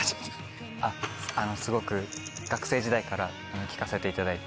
あっあのすごく学生時代から聴かせていただいて。